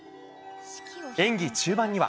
演技中盤には。